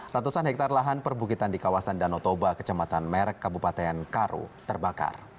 ratusan hektare lahan perbukitan di kawasan danau toba kecamatan merk kabupaten karo terbakar